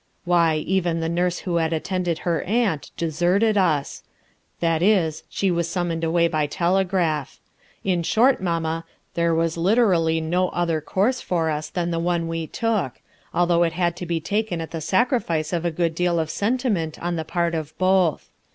Why, even the nurse who had attended her aunt, deserted 125! that is, *he was summoned away by telegraph. In short, mamm3, there was literally no other course for us than the one we took ; although it had to be taken at the sacrifice of a good deal of sentiment on the part of both.